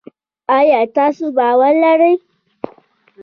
آیا تاسو باور لرئ؟